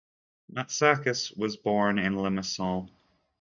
Matsakis was born in Limassol.